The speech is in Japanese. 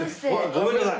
ごめんなさい。